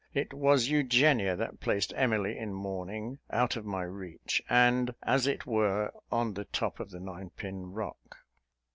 It was Eugenia that placed Emily in mourning, out of my reach, and, as it were, on the top of the Nine Pin Rock.